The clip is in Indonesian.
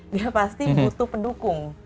dia pasti butuh pendukung